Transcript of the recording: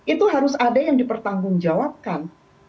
itu harus ada yang dipertanggung jawabkan